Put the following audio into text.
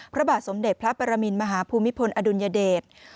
พระบาทสมเด็จพระปรมินมหาภูมิพลอดุลยเดช